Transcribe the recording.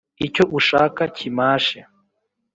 Icyo ushaka kimashe